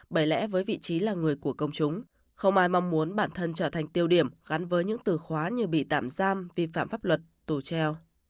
bởi lẽ với vị trí là người của công chúng không ai mong muốn bản thân trở thành tiêu điểm gắn với những từ khóa như bị tạm giam vi phạm pháp luật tù treo